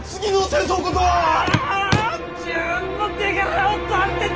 自分も手柄を立てたい！